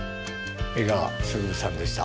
江川卓さんでした。